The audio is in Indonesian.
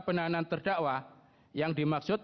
penahanan terdakwa yang dimaksud